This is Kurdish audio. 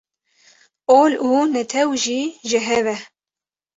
Ol û netew jî ji hev e.